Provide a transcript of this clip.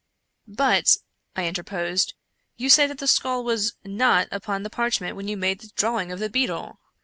" But," I interposed, " you say that the skull was not upon the parchment when you made the drawing of the beetle.